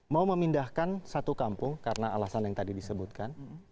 mau memindahkan satu kampung karena alasan yang tadi disebutkan